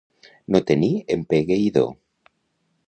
No tenir empegueïdor.